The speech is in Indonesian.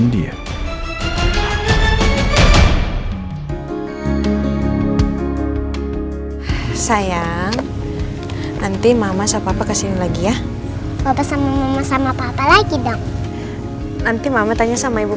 nanti aku mau tanya sama ibu